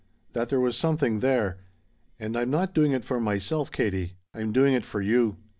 That there was something there. And I'm not doing it for myself, Katie. I'm doing it for you.